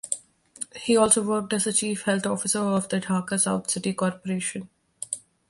He also worked as the Chief Health Officer of the Dhaka South City Corporation.